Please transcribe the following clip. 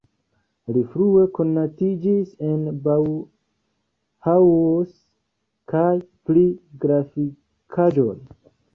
Li frue konatiĝis en Bauhaus kaj pri grafikaĵoj.